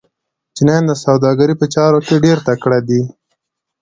چینایان د سوداګرۍ په چارو کې ډېر تکړه دي.